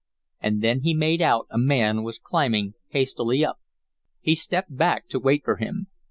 And then he made out a man climbing hastily up. He stepped back to wait for him.